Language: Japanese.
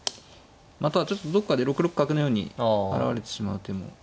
またはちょっとどこかで６六角のように払われてしまう手も。